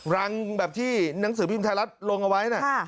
รังแบบที่หนังสือพิมพ์ไทยรัฐลงเอาไว้นะ